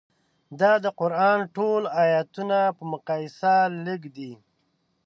دا د قران ټولو ایتونو په مقایسه لږ دي.